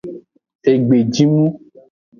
Egbejimu.